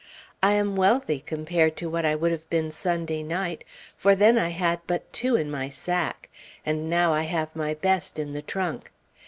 I am wealthy, compared to what I would have been Sunday night, for then I had but two in my sack, and now I have my best in the trunk.